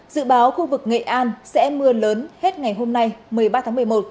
dự báo khu vực nghệ an sẽ mưa lớn hết ngày hôm nay một mươi ba tháng một mươi một